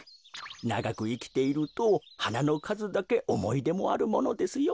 ながくいきているとはなのかずだけおもいでもあるものですよ。